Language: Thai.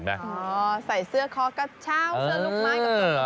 อ๋อใส่เสื้อคอร์สกระเช้าเสื้อลูกไม้กับกลุ่มเตน